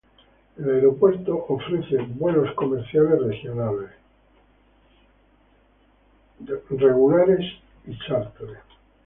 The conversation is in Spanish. El aeropuerto ofrece vuelos comerciales regionales, de aviación general y chárter.